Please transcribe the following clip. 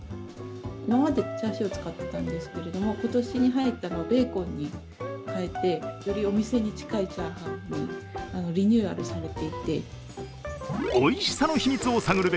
今までチャーシュー使ってたんですけど今年に入ってベーコンにかえてよりお店に近いチャーハンにリニューアルされていて。